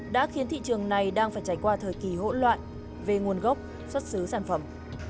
đã khiến thị trường này đang phải trải qua thời kỳ hỗn loạn về nguồn gốc xuất xứ sản phẩm